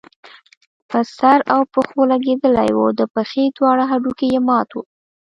په سر او پښو لګېدلی وو، د پښې دواړه هډوکي يې مات وو